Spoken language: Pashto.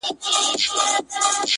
همدا اوس وايم درته.